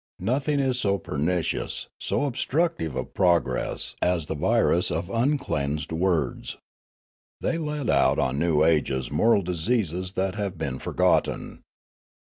Nothing is so pernicious, so obstructive of progress, as the virus of uncleansed words. They let out on new ages moral diseases that have been forgotten.